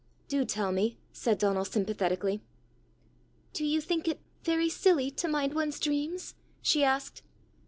"Do tell me," said Donal sympathetically. "Do you think it very silly to mind one's dreams?" she asked.